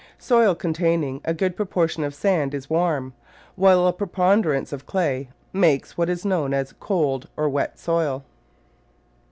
Soil containing a good pro portion of sand is warm, while a preponderance of clay makes what is known as cold or wet soil.